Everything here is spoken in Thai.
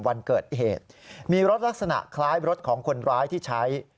วันเกิดเหตุมีรถลักษณะคล้ายรถของคนร้ายที่ใช้